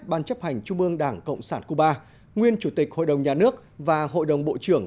ban chấp hành trung ương đảng cộng sản cuba nguyên chủ tịch hội đồng nhà nước và hội đồng bộ trưởng